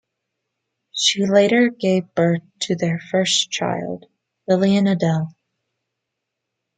She later gave birth to their first child, Lillian Adel.